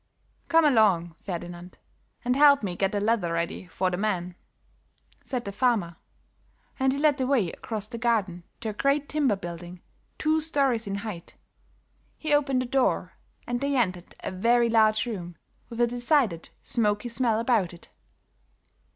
"Come along, Ferdinand, and help me get the leather ready for the men," said the farmer, and he led the way across the garden to a great timber building, two stories in height. He opened the door, and they entered a very large room, with a decided smoky smell about it.